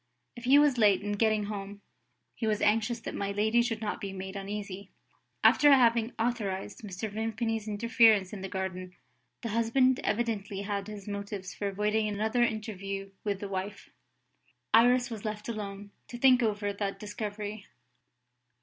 If he was late in getting home, he was anxious that my lady should not be made uneasy. After having authorised Mr. Vimpany's interference in the garden, the husband evidently had his motives for avoiding another interview with the wife. Iris was left alone, to think over that discovery.